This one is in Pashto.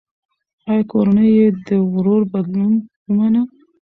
ایا کورنۍ یې د ورور بدلون ومنه؟